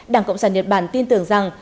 đảng cộng sản nhật bản tin tưởng rằng